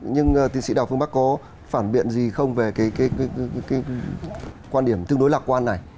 nhưng tiến sĩ đào phương bắc có phản biện gì không về cái quan điểm tương đối lạc quan này